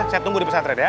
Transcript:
saya tunggu di pesantren ya